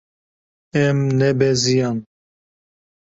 Em nebeziyan.